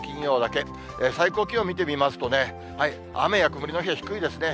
最高気温見てみますとね、雨や曇りの日は低いですね。